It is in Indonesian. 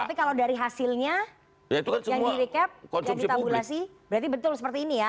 tapi kalau dari hasilnya yang di recap yang ditabulasi berarti betul seperti ini ya